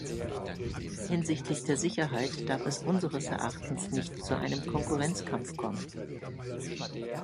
Hinsichtlich der Sicherheit darf es unseres Erachtens nicht zu einem Konkurrenzkampf kommen.